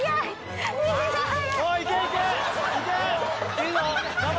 いいぞ。